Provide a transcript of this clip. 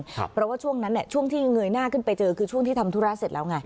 เพราะว่าช่วงนั้นช่วงที่เงยหน้าขึ้นไปเจอคือช่วงที่ทำธุระเสร็จแล้วไง